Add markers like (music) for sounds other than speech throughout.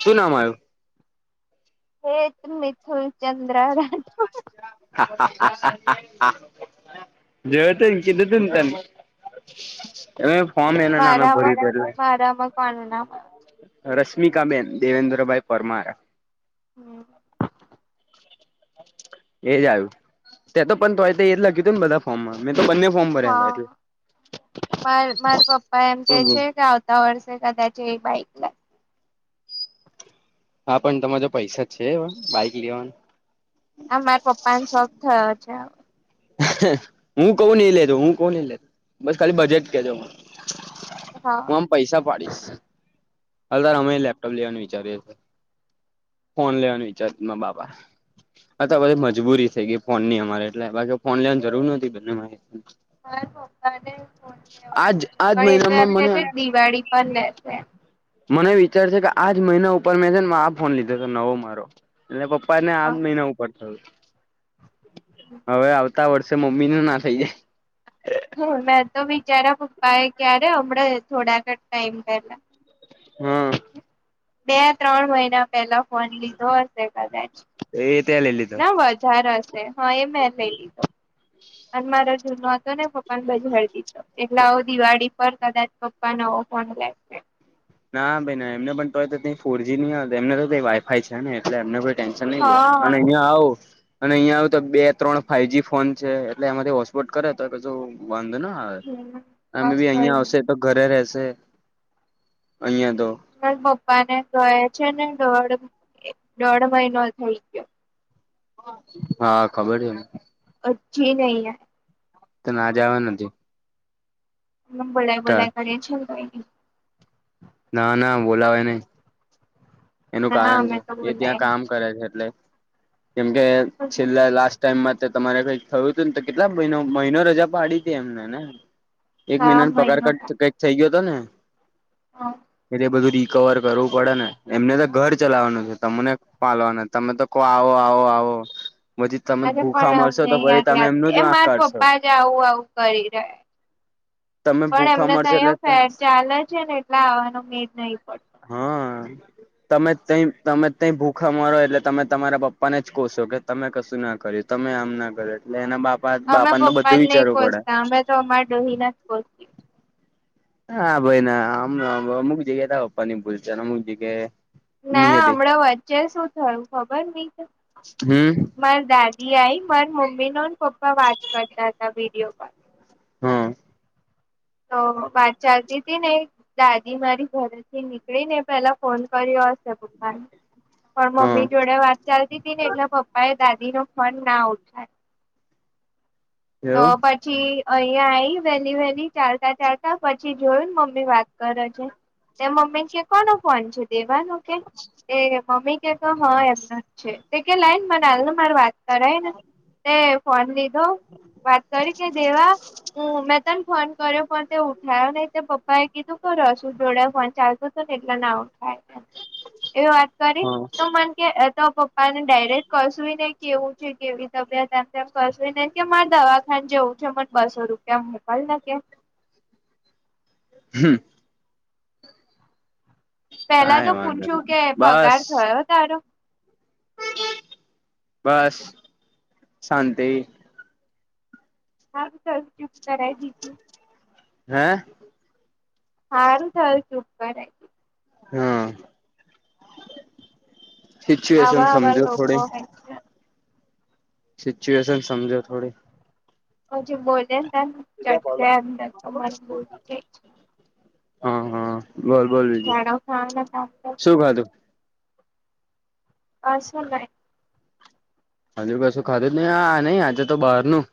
શું નામ આવ્યું? હેત, મિથુન, ચંદ્ર રા આ આ આ આ આ આ. જોયું તુન કીધું તુંન તન (unintelligible) ફોર્મ એના નામે મારામાં ભરી ભર્યું. મારામાં કોનું નામ આવે છે? રશ્મિકાબેન દેવેન્દ્રભાઈ પરમાર. હમ્મ. એજ આયું, તે તો પણ તોય તો એજ લખ્યું તું ન બધા ફોમમાં મે તો બંને ફોર્મ ભર્યા તા એટલે. હા હમ હમ. તા વર્ષે કદાચ એ બાઈક લાઈ હા, પણ તમાર જોડ પૈસા છે એવા બાઈક લેવાનું? આ માર પપ્પાન શોખ થયો છે હવ. હું કવ ન એ લેજો, હું કવ ન એ લેજો, બસ ખાલી બજેટ કેજો મન. એ હઅ. પૈસા પાડીશ, હાલ તાર અમેય લેપટોપ લેવાનું વિચારીએ ફોન લેવાનું વિચાર માર બાપા. આ તો આ બધી મજબૂરી થઈ ગઈ, ફોનની અમારે એટલે બાકી ફોન લેવાની જરૂર નતી (unintelligible) મારે. માર પપ્પાને ફોન આજ લેવાનું છે આજ પણ એ તો મહિનામાં એમ કે મને છે દિવાળી પણ લેશે. મને વિચાર છે કે આજ મહિના ઉપર મે છે ન આ ફોન લીધો તો નવો મારો. એટલે પપ્પાને આજ હા મહિના ઉપર થયું, હવે આવ- - તા વર્ષે મમ્મીનું ના થઈ જાય. મેં તો બિચારા પપ્પા એ ક્યારે હમણાં થોડાક જ ટાઈમ પેલા- - હમ્મ. બે-ત્રણ મહિના પહેલા ફોન લીધો હશે કદાચ. એ તે લઈ લીધો ના વધાર હ શે. હઅ, એ મેં લઈ લીધો અન મારો જૂનો હતોને પપ્પાન બજાળ દી એટલે અવ દિવાળી પર કદાચ પપ્પા નવો ફોન લેશે. ના ભઈ ના એમને પણ તોય તે તઈ ફોરજી ની આવતું એમને તો તઈ વાઈફાઈય છે ને એટલે એમને ટેન્શન નઈ લે હા. અન અહિયાં આવુ અન અહિયાં આવુ તો બે-ત્રણ ફાઈવજી ફોન છે, એટલે એમાંથી હોટસ્પોટ કરે તોય કશું વાંધો ના આવે, હમ એમ બસ બી હોય અહિયાં ને આવશે તો ઘરે રેશે અહીંયા તો. પણ પપ્પાને તોય છે ને દોઢ દોઢ મહિનો થઈ ગયો. હા, ખબર છે ને. અજી નઈ ને. તો ના જ આવે નથી. મન બોલાઈ બોલાઈ કરીયે છે ન તોય નઈ. ના, ના, બોલાવાય નઈ. એનું ના કારણ અમે છે તો એ બોલાય ત્યાં કામ કરે છે એટલે કેમ કે છેલ્લે લાસ્ટ ટાઈમમાં તે તમારે કઈક થયું તું ન તો કેટલા મહિનો મહિનો રજા પાડી તી એમને ને. એક હા મહિનાન પગાર કટ કંઈક થઈ ગયો તો ને. હઅ. એટલે બધું રીકવર કરવું પડે ને. એમને તો ઘર ચલાવાનું છે, તમને પાલવાના તમે તો કો આવો આવો આવો. પછી તમે અરે, ભૂખા પણ મરશો અમને તો પછી યાદ તમે યાદ એમનું જ એ વાંક માર કાઢશો પપ્પા જ આવું આવું કરી રહ્યા તમે પણ ભૂખા એમને મરશો તહીયાં એટલે ફેસ્ટ ચાલે છે ન એટલે આવાનો મેળ નઈ પડતો. હઅ. તમે તઈ તમે તઈ ભૂખા મરો એટલે તમે તમારા પપ્પાને જ કોશો કે તમે કશું ના કર્યું, તમે આમ ના કર્યું, એટલે એના બાપા અમે બાપાન તો પપ્પા બધું ને નહી વિચારવું પડે. કોસતા અમે તો અમાર ડોહીના જ પોહચશી. હા ભાઈ ના આમ અમુક જગ્યાએ તો અપવાની ભૂલતા અને અમુક જગ્યાએ ના ની હતી હમણાં વચ્ચે શું થયું ખબર નહિ કે હમ્મ. માર દાદી આઈ મારા મમ્મી નું પપ્પા વાત કરતા હતા વિડીયો કોલ હા. તો વાત ચાલતી હતી ને દાદી મારી ઘરેથી નીકળી ને પેલા ફોન કર્યો હશે પપ્પાને પણ હા મમ્મી જોડે વાત ચાલતી હતી ને એટલે પપ્પા એ દાદી નો ફોન ના ઉઠાયો તો એવું પછી અહિયાં આઈ વેલી વેલી ચાલતા ચાલતા પછી જોયું ને મમ્મી વાત કરે છે એ મમ્મી કે કોનો ફોન છે દેવાનું કે એ મમ્મી કે કા હા એમના જ છે તે કે લય ને મને હાલને માર વાત કરાય ને ને ફો પંદી તો વાત કરી કે દેવા હું મેં તને ફોન કર્યો પણ તે ઉઠાયો નહી પપ્પા એ કીધું કરો શું જોડે ફોન ચાલતો હતો ને એટલા ના ઓખાય એવી વાત કરી હા તો મને કે તો પપ્પા ને ડાયરેક્ટ કશું ને કેવું છે કેવી તબિયત એમ તેમ કશું ને કે મારે દવાખાન જેવું છે મને બસો રૂપિયા મોકલ ને કે હમ્મ. પેલા કાઈ તો વાંધો નઈ પૂછ્યું કે બસ પગાર થયો તારો બસ શાંતિ હા સ ચુપ કરાવ દીજું હે હા થયુ તુ (unintelligible) નહી. હા સિચ્યુએશન આવા આવા સમજો લોકો થોડી હોય છે સિચ્યુએશન સમજો થોડી હ જે બોલે ને તે ચટ મન બોલી જાય છે. હા હા બોલ બોલ બીજું ગાળો ખાવાના કામ શું કરે ખાધું હા શું ખાય હજુ કશું ખાધું જ નહી આ નહી આજે તો બહાર નું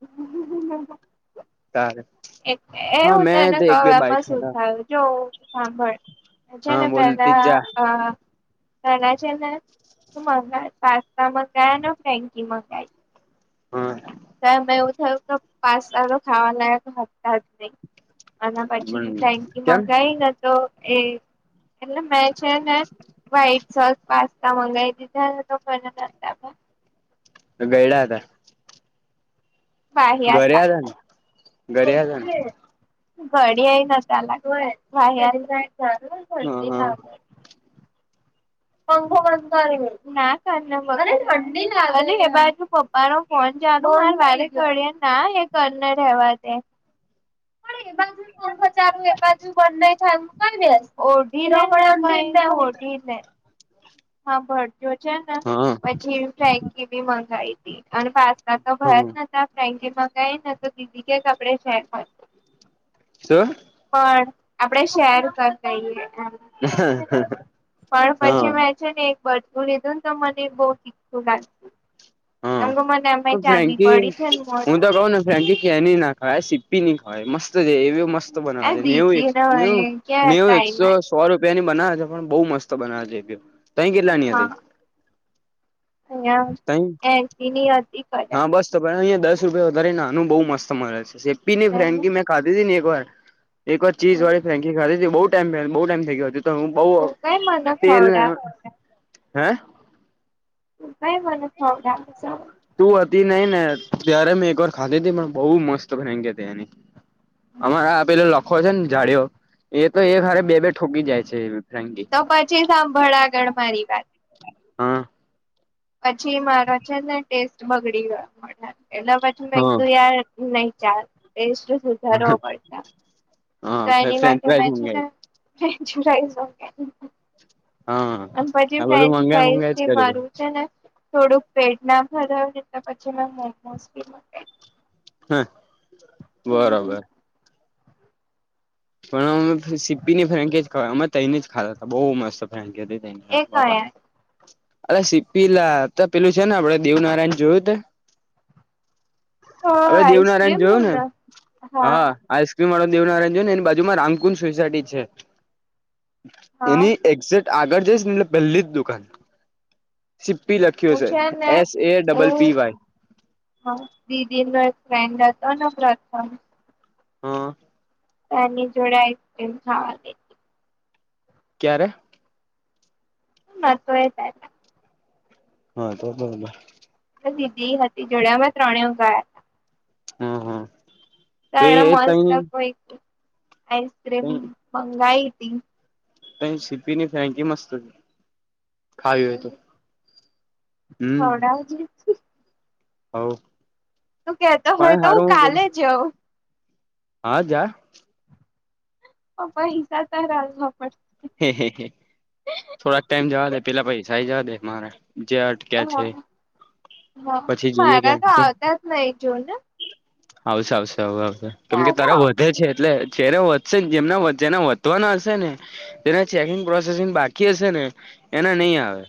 હમ્મ હમ્મ તારે એ હા હું તને મેં એક કહું બે એમાં બાઈટ શું ખાધા થયુ જો સાંભળ હા જેને બોલતી પેલા જ જા અ એને છે ને શું મંગયા પાસ્તા મંગાયા ને ફ્રેકી મંગાઈ હા. તો એવું થયું કે પાસ્તા તો ખાવા લાયક હતા જ નહી અને પછી ફ્રેન્કી કેમ મંગાઈ ને તો એ એટલે મેં છે ને વ્હાઈટ સોસ પાસ્તા મંગાવી દીધા તો મને અને તેમાં તો ગયડા હતા. વાહિયાત ઘરે હતા ને ઘરે હતા ને ઘડિયા નતા લાગવા હા (unintelligible) પંખો બંધ કરવી ના કર મને ઠંડી લાગે એ બાજુ પપ્પા નો ફોન ચાલુ હોય વાળે ઘડીએ ના એ કર્નડ રહેેવા દે (unintelligible) હજાર એકાદ બનાઈ થાય કર દે ઓઢી પણ એમ (unintelligible) હા ભરો છે ને હા હા પછી ફેક બી મંગાવી હતી અને પાસ્તા તો ભય જ હમ ન ફેન્કી મંગાવાઈ (unintelligible) બીજે કે કપડે શેર હોય શું પણ આપડે શેર કર દઈએ હ. પણ પછી મેં છે ને, એક બારથી લીધું ને, તો મને બહુ તીખું લાગતું. એમ હા તો મને એમાંય ચાંદી ફ્રેન્કી પડી છે ને, મોડે. હું તો કઉ ને કેની ના ખાય સીપ્પી ની ખાય મસ્ત છે, એવી મસ્ત. એ બનાવે છે, નેવું એક દીદી ને નેવું કે નેવું એકસો. ટ્રાયમાં સો રૂપિયા ની બનાવે છે, પણ બહુ મસ્ત બનાવે છે, તહી કેટલાની હતી. અહીં તઈ એસી નહીં હતી કઈ. હા બસ તો અહીયાં દસ રૂપિયા વધારે નાનું બહુ મળે છે, સેપી ની ફ્રેન્ડ મે. ખાધી ને એક વાર એક વાર ચીઝ વાળ ફેંકી ખાધી, બહુ ટાઈમ બઉુ ટાઈમ થઈ ગયો. તો હું બઉ તું કઈ મને તેલને, ખવડાવ હે? ભાઈ, મને ખવડાવે. તું હતી નઈ ને, ત્યારે મેં એક વાર ખાધી તી, પણ બહુ મસ્ત ફેગ તની. અમારે આ પેલો લખો છે ને, જાડીઓ. એ તો એ હરે બે-બે ઠોકી જાય છે, ફી. તો પછી સાંભળ આગળ મારી વાત. હા. પછી મારો છે ને, ટેસ્ટ બગડી ગયો, એટલે પછી મે હા એકું યાર. નહી ચાલ, એ શું સુધારવો પડશે. તો હા એની ફ્રેન્ચ માટે મે ફ્રાઈઝ છે ને. મંગાઈ હા અને આ પછી બધું ફ્રેન્ચ મંગાઈ મંગાઈ જ ફ્રાઈઝ કર્યું મારું છે ને. થોડુંક પેટ ના ભરાયને, તો પછી મેં મોમોસી મ. હા, મંગાઈ બરોબર. પણ અમે સીપી ને ફન્કેજ અમે તને જ ખાતા હતા, બઉુ મસ્ત ફ્રેન્કે. એ પ કયા અરે સિપીલા તો પેલું છે ને, આપડે દેવનારાયણ જોયું. તો હવે દેવનારાયણ આઈસ્ક્રીમ નું જોયું ને, હા, આ. મા દેવનારાયણ જો ને, એની બાજુમાં રામકુંન સોસાયટી છે, હા એની એક્ઝેક્ટ આગળ જઈશ ને, એટલે પહેલી જ દુકાન. સીપ્પી લખ્યો હું છે, ને S A double P Y. હા, દીદી ફ્રેન્ડ હતો, અને પ્રથમ હા. ની જોડેમવા. ક્યારે. હ, મા તોય. હા, તોબ. દીધદી હતી, જોડ્યામાંં ત્રણે ગાયા. હમ, હમ. સર ના મસ્ત કોઈ આઈસક્રીમ મંગાવાઈ હતી. સીપીની ફેકી મસ્ત હતી, ખાવી હોય તો. હમણાં જ. હ. તું કેહેતો હોય તો, હું કાલે જઉં. હા, જા. પ પ હિસા તો રાવા પડ. (unintelligible) હે, હ, થોડાક ટાઈમ જવા દે, પેલા પૈસાઈ જવા દે મારા જે. અટક્યા છે હા, હા, પછી જઈએ કે મારા તો આવતા જ નહી જોને. આવશે, આવશે, આવ આવશે કેમ કે ક્યારે તારા વધે આવશે છે, એટલે. જેને વધશે ને, જેમના જેના વધવાના હશે ને. જેના ચેકિંગ પ્રોસેસિંગ બાકી હશે ને, એના નહીં આવે,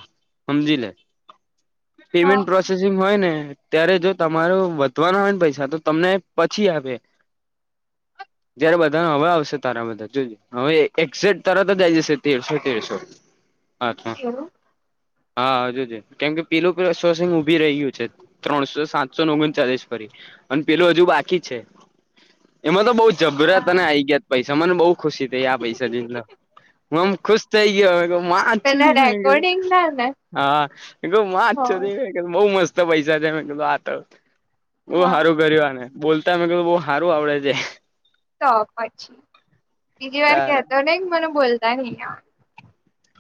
સમજી લે. હા પેમેન્ટ પ્રો. પ્રોસેસિંગ હોય ને, ત્યારે જો તમારો વધવાના હોય ને, પૈસા તો તમને પછી આપે. (unintelligible) જયારે બધા ને હવે આવશે, તારા બધા જોજ હવે એક્ઝે તાર. જશે, તેરસો-તેરસો, અચ્છા. એવું હા હજુ છે, કેમ કે પીલું ઉભી રહ્યું છે, ત્રણસો-સાતસો ને, ઓગણચાલીસ ફરી. અને પેલું હજુ બાકી જ છે, એમાં તો બઉ. જબરા તને આ આવી ગયા, પૈસા મને બહુ ખુશી થઈ આ પૈસા જે. હમ, ખુશ થઇ ગયો, હમ, પેલા નાચ. રેકોર્ડિંગ ના ને હા, એ તો હ નાચ. બઉુ મસ્ત પૈસા છે, મે કીધું આ ત બહુ હા સારું કર્યું આને. બોલતા, અમે કીધું બહુ સારું આવડે છે. તો પછી બીજી વાર તારે કેતો ને, મને બોલતા નઈ આવડે.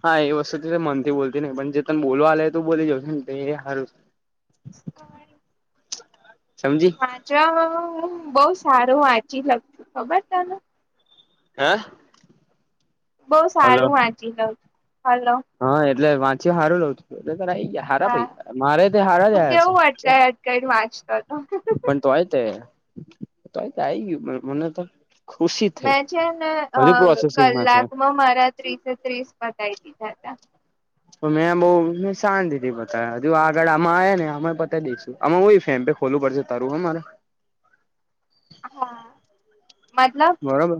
હા, એ વસ્તુથી મનથી બોલતી ન, પણ જે તને બોલવા આવેલે તું બોલી જઉ, ને એ સારું. કોણ? સમજી. હ, બહુ સારું વાંચી-લખી શકું છુ, ખબર તને? હા. બહુ સારું વાંચી લઉ, હલો. હા, એટલે વાંચ્યું સારું લઉં, તું એટલે તઈ ગયા. હાર પ હા મારે તે હારા તું જયા છે. કેવું અટકાઈ અટકાઈને વાંચતો હતો (unintelligible) તય તે, તય તો આ મને તો ખુશી થઈ મેં છે ને, હજુ પ્રોસેસિંગમાં છે. કલાકમાં મારા ત્રીસે-ત્રીસ પતાવી દીધા હતા. તો મેં બહુ મે શાંત દીધી હતા, હજુ આગળ આમાં આ ને અમે પતાવી દઈશું. આમાં હો, ફેમ પે ખોલુંડ તાર હ મારે હા, મતલબ? બરોબર,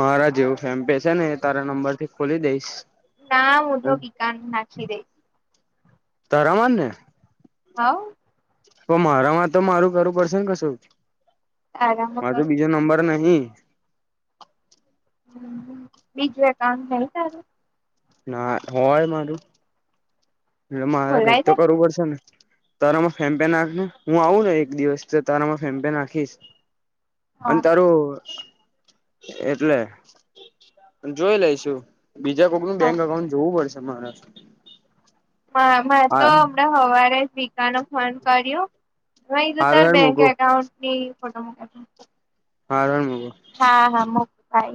મારા જેવું ફેમ પે છે ને, એ તારા નંબર થી ખોલી દઈશ. ના, હું તો કિકાન નાખી દઈશ. તો રહેવા દે. હા. પણ મારા માં તો મારું કરવું પડશે ને, કશું મા તો તારામાં બીજો નંબર નહી. હ, બીજું એક આામ નઈ તારું. ના હોય, મારું. એટલે મારે કઈક ખોલાઈ તો જશે કરવું પડશે ને. તારામાં ફેમ્પેન નાખ ને, હું આવું ને, એક દિવસ તારા ફેમ્પેન નાખીશ. અને હા તારું એટલે જોઈ લઈશુ. બીજા કોકનું બેંક અકાઉન્ટ જોવું પડશે, મારા હમણાં, તો હમણાં સવારે વકા ન ફોન કર્યું. હમણાં એ તો તાર હારું હેડ બેંક મૂકું એકાઉન્ટની ફોટો મુકા છે. હા, આરામો. હા, હા, મોઈ.